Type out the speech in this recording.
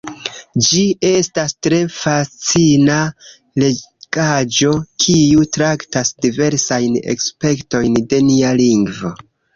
Ĝi estas tre fascina legaĵo, kiu traktas diversajn aspektojn de nia lingvo.